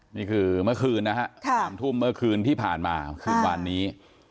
เมื่อคืนนะฮะ๓ทุ่มเมื่อคืนที่ผ่านมาคืนวานนี้